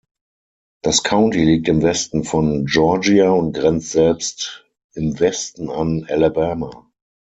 Das County liegt im Westen von Georgia und grenzt selbst im Westen an Alabama.